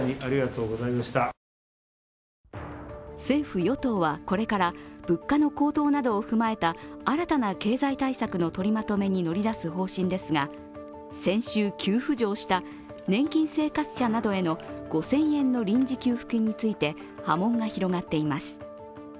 政府・与党はこれから物価の高騰などを踏まえた新たな経済対策の取りまとめに乗り出す方針ですが、先週急浮上した年金生活者などへの５０００円の臨時給付金について波紋が広がっています。